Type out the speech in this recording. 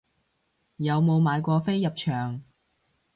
有冇買過飛入場